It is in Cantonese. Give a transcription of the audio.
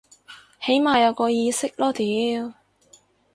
起碼有個意識囉屌